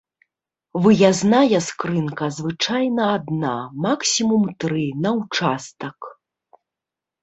Выязная скрынка звычайна адна, максімум тры, на ўчастак.